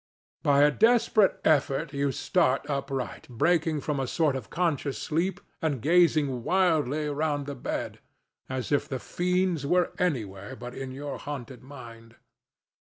By a desperate effort you start upright, breaking from a sort of conscious sleep and gazing wildly round the bed, as if the fiends were anywhere but in your haunted mind.